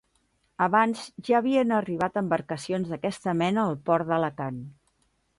Abans ja havien arribat embarcacions d’aquesta mena al port d’Alacant.